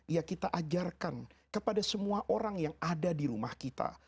ya kita ajarkan kepada semua orang yang ada di rumah kita